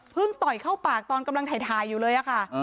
ต่อยเข้าปากตอนกำลังถ่ายอยู่เลยค่ะ